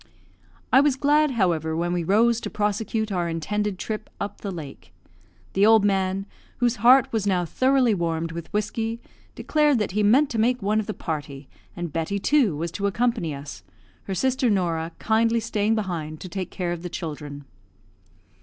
I was glad, however, when we rose to prosecute our intended trip up the lake. The old man, whose heart was now thoroughly warmed with whiskey, declared that he meant to make one of the party, and Betty, too, was to accompany us; her sister Norah kindly staying behind to take care of the children.